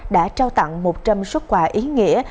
đã trao tặng một trăm linh xuất quà ý nghĩa